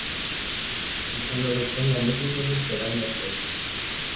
Die Konversation war mittelmäßig, der Wein war schlecht.